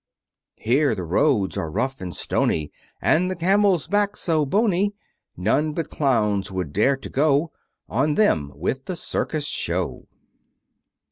Here the roads are rough and stony; And the Camel's back's so bony, None but Clowns would dare to go On them, with the Circus Show.